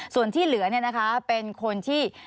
ส่วนที่เหลือเป็นคนที่